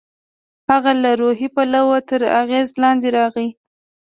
هغه له روحي پلوه تر اغېز لاندې راغی.